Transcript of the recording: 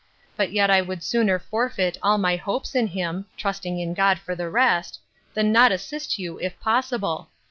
But yet I would sooner forfeit all my hopes in him, (trusting in God for the rest,) than not assist you, if possible.